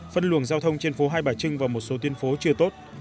phân luồng giao thông trên phố hai bài trưng và một số tiên phố chưa tốt